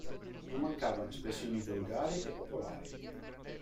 Non mancavano espressioni volgari e popolari.